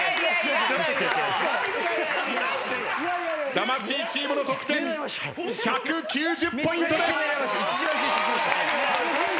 魂チームの得点１９０ポイントです。